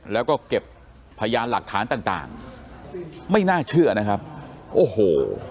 แล้วก็เก็บพยานหลักฐานต่างต่างไม่น่าเชื่อนะครับโอ้โห